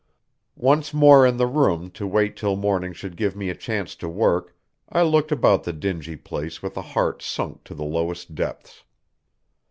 Once more in the room to wait till morning should give me a chance to work, I looked about the dingy place with a heart sunk to the lowest depths.